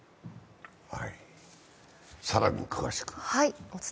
更に詳しく。